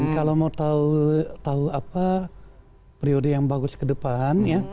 kalau mau tahu periode yang bagus ke depan